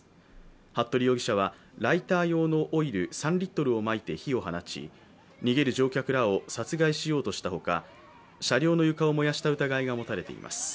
服部容疑者はライター用のオイル３リットルをまいて火を放ち逃げる乗客らを殺害しようとしたほか車両の床を燃やした疑いが持たれています。